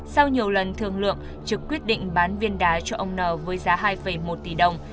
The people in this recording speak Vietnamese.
sau nhiều lần thương lượng trực quyết định bán viên đá cho ông n với giá hai một tỷ đồng